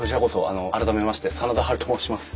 あの改めまして真田ハルと申します。